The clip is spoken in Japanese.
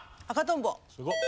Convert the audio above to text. すごっ。